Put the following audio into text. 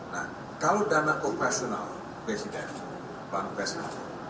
nah kalau dana operasional presiden bang presiden